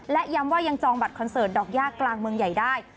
และย้ำว่ายังจองบัตรคอนเสิร์ตดอกย่ากลางเมืองใหญ่ได้